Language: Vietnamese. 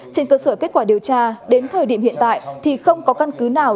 trên cơ sở kết quả điều tra đến thời điểm hiện tại thì không có căn cứ nào